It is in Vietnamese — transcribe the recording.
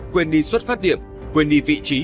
quên đi xuất phát điểm quên đi vị trí